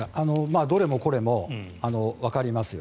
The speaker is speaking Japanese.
どれもこれもわかりますよ。